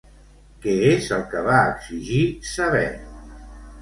Què és el que va exigir saber?